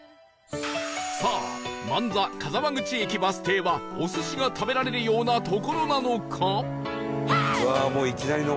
さあ万座・鹿沢口駅バス停はお寿司が食べられるような所なのか？